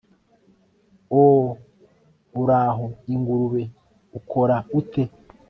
oh, uraho, ingurube, ukora ute